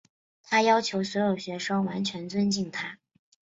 她要求所有学生完全尊敬她。